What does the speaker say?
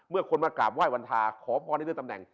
เมื่อคนมากลับไหว้วันทาขอบพระองค์ได้ลื่นตำแหน่ง